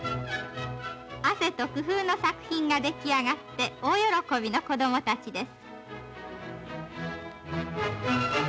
汗と工夫の作品が出来上がって大喜びの子供たちです。